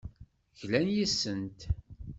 Glan yes-sent.